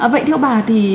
vậy theo bà thì